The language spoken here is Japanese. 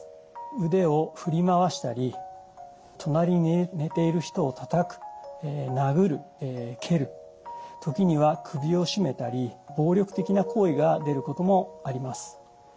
腕を振り回したり隣に寝ている人をたたく殴る蹴る時には首を絞めたり暴力的な行為が出ることもあります。